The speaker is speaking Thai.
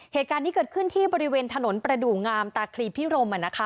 เหตุการณ์นี้เกิดขึ้นที่บริเวณถนนประดูกงามตาคลีพิรม